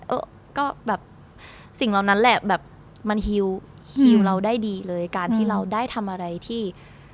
เออก็แบบสิ่งเหล่านั้นแหละแบบมันฮิวเราได้ดีเลยการที่เราได้ทำอะไรที่